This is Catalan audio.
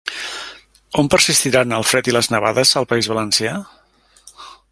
On persistiran el fred i les nevades al País Valencià?